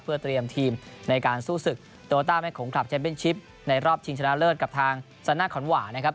เพื่อเตรียมทีมในการสู้ศึกโตต้าแม่ขงคลับแชมเป็นชิปในรอบชิงชนะเลิศกับทางซาน่าคอนหว่านะครับ